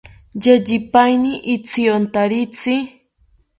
Yeyipaeni ityontaritzi